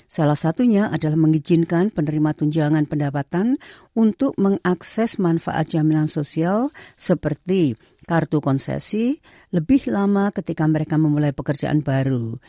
salah satunya adalah mengizinkan penerima tunjangan pendapatan untuk mengakses manfaat jaminan sosial seperti kartu konsesi lebih lama ketika mereka memulai pekerjaan baru